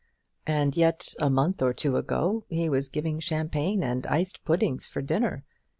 And yet a month or two ago he was giving champagne and iced puddings for dinner!